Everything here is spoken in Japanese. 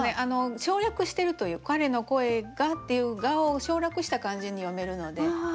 省略してるという「彼の声が」っていう「が」を省略した感じに読めるので。